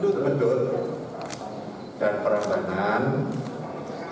dan kita akan meneretangani kesepakatan dan kita akan meneretangani kesepakatan